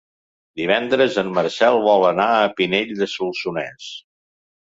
Divendres en Marcel vol anar a Pinell de Solsonès.